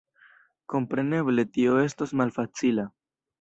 Kompreneble tio estos malfacila.